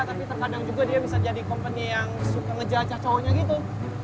tapi terkadang juga dia bisa jadi kompenya yang suka ngejajah cowoknya gitu